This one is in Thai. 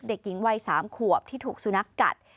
เด็กหญิงวัย๓ขวบที่ถูกสุนัขกัด